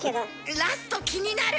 ラスト気になる！